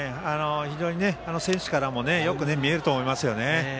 非常に、選手からもよく見えると思いますね。